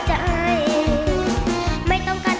จึงโลดเท่งมารอสาย